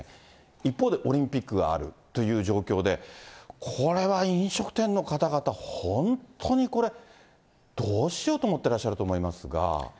一方でオリンピックがあるという状況で、これは飲食店の方々、本当にこれ、どうしようと思ってらっしゃると思いますか。